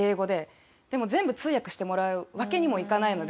でも全部通訳してもらうわけにもいかないので。